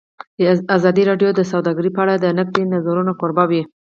ازادي راډیو د سوداګري په اړه د نقدي نظرونو کوربه وه.